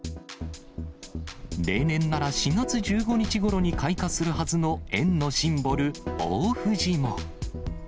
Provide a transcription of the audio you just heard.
例年なら４月１５日ごろに開花するはずの園のシンボル、大藤も。